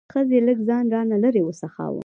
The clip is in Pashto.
ښځې لږ ځان را نه لرې وڅښاوه.